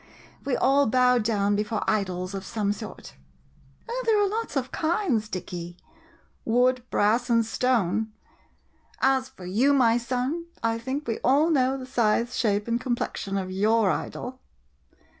We all bow down before idols of some sort. Oh, there are lots of kinds, Dicky — wood, brass, and stone! As for you, my son, I think we all know the size, shape, and complexion of your idol.